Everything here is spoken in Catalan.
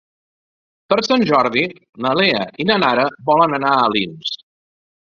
Per Sant Jordi na Lea i na Nara volen anar a Alins.